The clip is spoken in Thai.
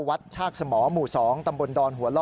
ชากสมหมู่๒ตำบลดอนหัวล่อ